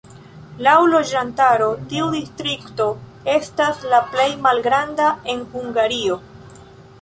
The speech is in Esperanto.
Laŭ loĝantaro tiu distrikto estas la plej malgranda en Hungario.